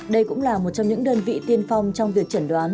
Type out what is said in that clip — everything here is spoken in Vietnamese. đây cũng là một trong những đơn vị tiên phong trong việc chẩn đoán